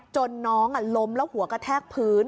จนน้องล้มแล้วหัวกระแทกพื้น